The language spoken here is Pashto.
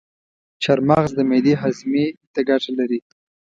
چارمغز د معدې هاضمي ته ګټه لري.